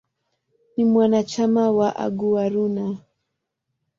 Ni mwanachama wa "Aguaruna".